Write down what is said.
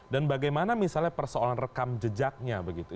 dan bagaimana misalnya persoalan rekam jejaknya begitu